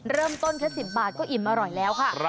เริ่มต้นแค่๑๐บาทก็อิ่มอร่อยแล้วค่ะ